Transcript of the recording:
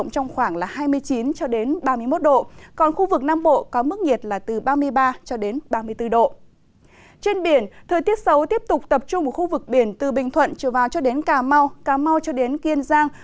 trên biển thời tiết xấu tiếp tục tập trung ở khu vực biển từ bình thuận trở vào cho đến cà mau cà mau cho đến kiên giang